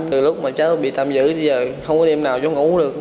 từ lúc mà cháu bị tâm dữ bây giờ không có đêm nào cháu ngủ được